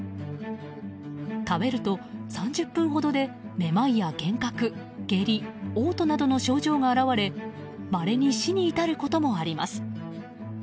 食べると３０分ほどでめまいや幻覚、下痢、嘔吐などの症状が現れまれに死に至ることもあります。